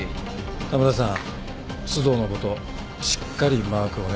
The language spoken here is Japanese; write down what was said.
田村さん須藤のことしっかりマークお願いしますよ。